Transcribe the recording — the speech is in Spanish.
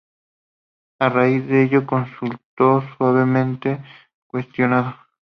A raíz de ello, resultó severamente cuestionado.